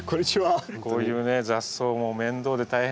こういうね雑草もう面倒で大変な人にね